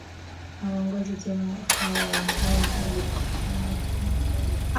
hawaongozi tena hawaongozwe na wakubwa